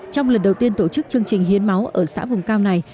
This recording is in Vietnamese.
trong lần đầu tiên tổ chức chương trình hiến máu ở xã vùng cao này